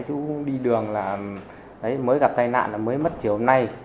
chú đi đường là mới gặp tai nạn là mới mất chiều hôm nay